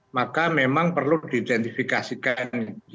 maka memang perlu diidentifikasikan